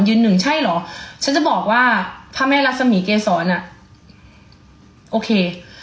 หนึ่งใช่เหรอฉันจะบอกว่าพระแม่รักษมีเกษรอ่ะโอเค